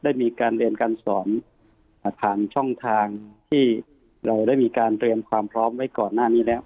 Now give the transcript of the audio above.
ได้มีการเรียนการสอนผ่านช่องทางที่เราได้มีการเตรียมความพร้อมไว้ก่อนหน้านี้แล้ว